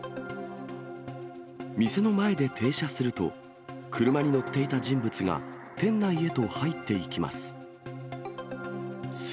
店の前で停車すると、車に乗っていた人物が、店内へと入っていきます。